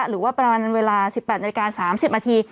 หรือว่าประมาณเวลา๑๘นาฬิกา๓๐นาที